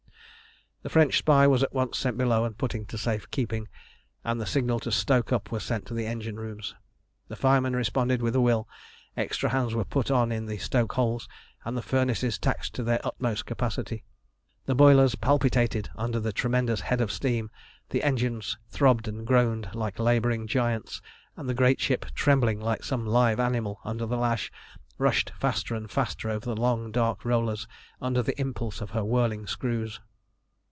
The French spy was at once sent below and put into safe keeping, and the signal to "stoke up" was sent to the engine rooms. The firemen responded with a will, extra hands were put on in the stokeholes, and the furnaces taxed to their utmost capacity. The boilers palpitated under the tremendous head of steam, the engines throbbed and groaned like labouring giants, and the great ship, trembling like some live animal under the lash, rushed faster and faster over the long dark rollers under the impulse of her whirling screws.